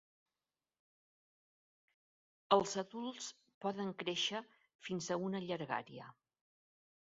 Els adults poden créixer fins a una llargària.